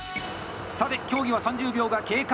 さて競技は３０秒が経過。